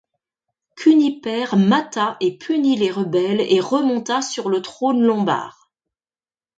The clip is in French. Cunipert mata et punit les rebelles et remonta sur le trône lombard.